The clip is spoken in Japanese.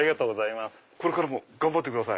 これからも頑張ってください！